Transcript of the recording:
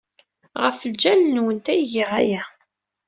Ɣef lǧal-nwent ay giɣ aya.